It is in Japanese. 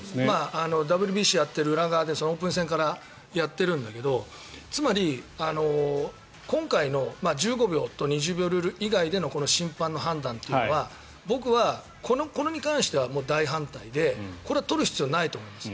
ＷＢＣやってる裏側でオープン戦からやっているんだけどつまり、今回の１５秒と２０秒ルール以外でのこの審判の判断というのは僕は、これに関しては大反対でこれは取る必要ないと思います。